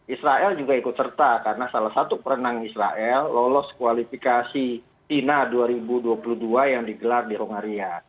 israel juga ikut serta karena salah satu perenang israel lolos kualifikasi china dua ribu dua puluh dua yang digelar di rongaria